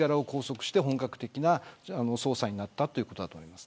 身柄を拘束して本格的な捜査になったということだと思います。